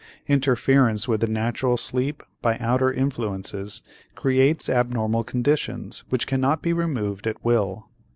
Interference with the natural sleep by outer influences creates abnormal conditions which cannot be removed at will.